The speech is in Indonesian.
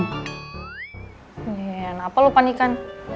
nih kenapa lu panikan